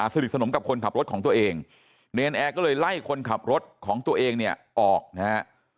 สนิทสนมกับคนขับรถของตัวเองเนรนแอร์ก็เลยไล่คนขับรถของตัวเองเนี่ยออกนะฮะ